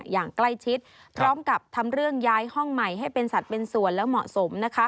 อย่างใกล้ชิดพร้อมกับทำเรื่องย้ายห้องใหม่ให้เป็นสัตว์เป็นส่วนและเหมาะสมนะคะ